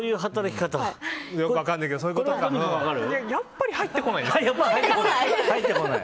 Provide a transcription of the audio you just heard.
やっぱり入ってこない。